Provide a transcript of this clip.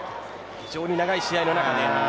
非常に長い試合の中で。